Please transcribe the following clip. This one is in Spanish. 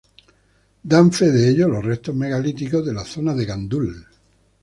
Dan fe de ello los restos megalíticos de la zona de Gandul.